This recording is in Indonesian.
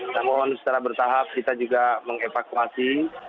saya mohon secara bertahap kita juga mengevakuasi